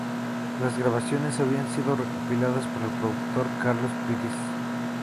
Las grabaciones habían sido recopiladas por el productor Carlos Píriz.